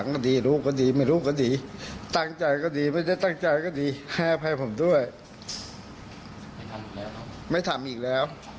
นี่แกขอโทษหรือแกกรวดน้ำ